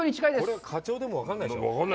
これは課長でも分からないでしょう？